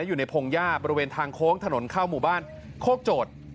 อยู่ในพงหญ้าบริเวณทางโค้งถนนเข้าหมู่บ้านโคกโจทย์